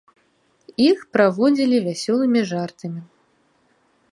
Іх праводзілі вясёлымі жартамі.